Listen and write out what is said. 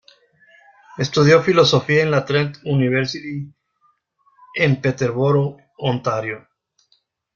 Estudió Filosofía en la Trent University, en Peterborough, Ontario.